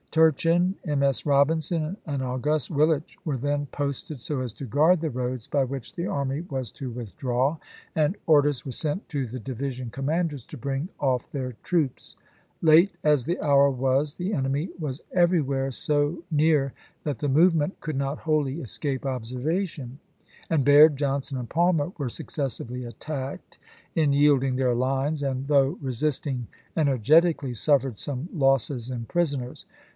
Turchin, M. S. Robinson, and August Willich were then posted so as to guard the roads by which the army was to withdraw, and orders were sent to the division commanders to bring off their troops. Late as the hour was, the en emy was everywhere so near that the movement could not wholly escape observation, and Bailed, Johnson, and Palmer were successively attacked in yielding their lines, and though resisting ener getically suffered some losses in prisoners.